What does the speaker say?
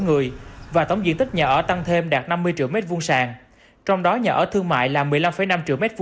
người và tổng diện tích nhà ở tăng thêm đạt năm mươi triệu m hai sàn trong đó nhà ở thương mại là một mươi năm năm triệu